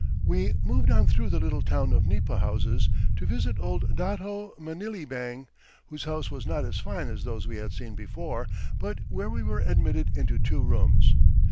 We moved on through the little town of nipa houses to visit old Dato Manilibang, whose house was not as fine as those we had seen before, but where we were admitted into two rooms.